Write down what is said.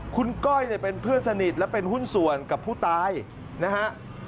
คุณก้อยเนี่ยเป็นเพื่อนสนิทและเป็นหุ้นส่วนกับผู้ตายนะฮะ